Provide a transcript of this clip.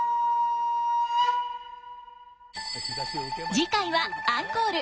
次回はアンコール。